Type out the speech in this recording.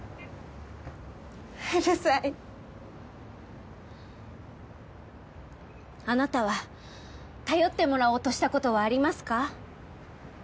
うるさいあなたは頼ってもらおうとしたことはありますか？